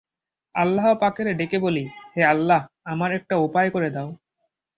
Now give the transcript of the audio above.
আল্লাহপাকরে ডেকে বলি-হে আল্লাহ্, আমার একটা উপায় করে দাও।